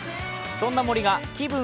そんな森が気分